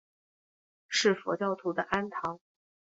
是佛教徒的庵堂。